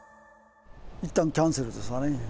いったんキャンセルですわね。